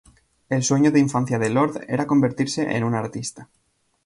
El sueño de infancia de Lord era convertirse en un artista.